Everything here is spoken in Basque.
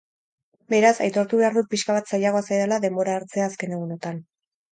Beraz, aitortu behar dut pixka bat zailagoa zaidala denbora hartzea azken egunotan.